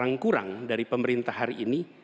yang kurang dari pemerintah hari ini